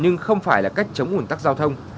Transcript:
nhưng không phải là cách chống ủn tắc giao thông